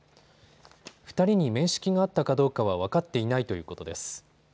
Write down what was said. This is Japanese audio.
２人に面識があったかどうかは分かっていないということです。